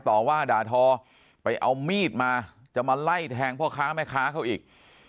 ต่อว่าด่าทอไปเอามีดมาจะมาไล่แทงพ่อค้าแม่ค้าเขาอีก